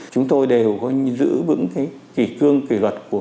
chúng tôi đều giữ bững kỳ kỳ